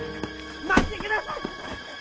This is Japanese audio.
待ってください！